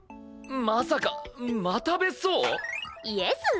まさかまた別荘？イエス！